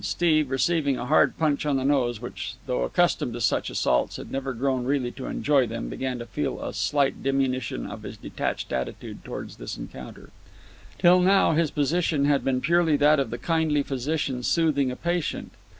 Steve, receiving a hard punch on a nose which, though accustomed to such assaults, had never grown really to enjoy them, began to feel a slight diminution of his detached attitude toward this encounter. Till now his position had been purely that of the kindly physician soothing a patient.